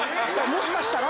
もしかしたら。